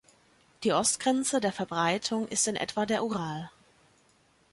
Die Ostgrenze der Verbreitung ist in etwa der Ural.